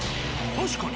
確かに。